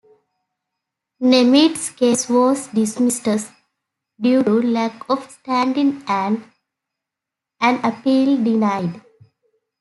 Nemitz's case was dismissed due to lack of standing and an appeal denied.